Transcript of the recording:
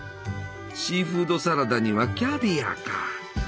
シーフードサラダにはキャビアか！